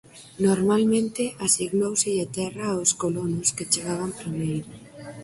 Normalmente asignóuselle terra aos colonos que chegaban primeiro.